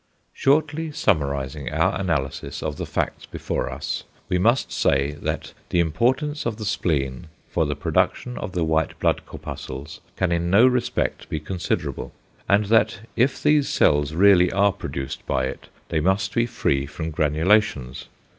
Shortly summarising our analysis of the facts before us, we must say that =the importance of the spleen for the production of the white blood corpuscles can in no respect be considerable=, and that if these cells really are produced by it, they must be free from granulations.